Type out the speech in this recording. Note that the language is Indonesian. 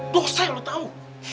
bukasah lu tau